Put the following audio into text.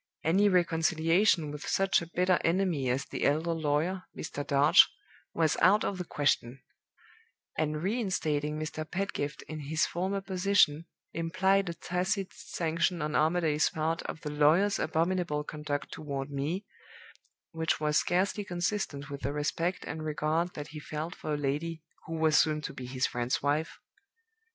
Any reconciliation with such a bitter enemy as the elder lawyer, Mr. Darch, was out of the question; and reinstating Mr. Pedgift in his former position implied a tacit sanction on Armadale's part of the lawyer's abominable conduct toward me, which was scarcely consistent with the respect and regard that he felt for a lady who was soon to be his friend's wife.